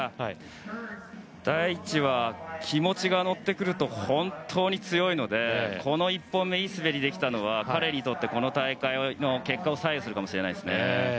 大智は気持ちが乗ってくると本当に強いのでこの１本目でいい滑りできたのは彼にとって、この大会の結果を左右するかもしれないですね。